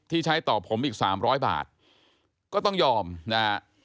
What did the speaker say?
ที่ใช้ต่อผมอีกสามร้อยบาทก็ต้องยอมน่ะ